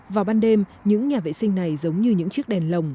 vào ban đêm những nhà vệ sinh này giống như những chiếc đèn lồng